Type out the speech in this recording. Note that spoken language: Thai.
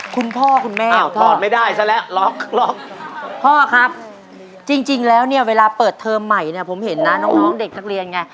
คุณพ่อคุณแม่พ่อพ่อครับจริงแล้วเนี่ยเวลาเปิดเทอมใหม่เนี่ยผมเห็นนะน้องเด็กทั้งเรียนไง